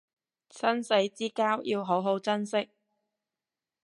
生死之交要好好珍惜